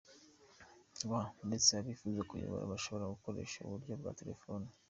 rw, ndetse abifuza kuyabona bashobora gukoresha uburyo bwa telefone.